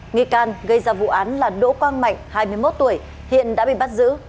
nghi can gây ra vụ án là đỗ quang mạnh hai mươi một tuổi hiện đã bị bắt giữ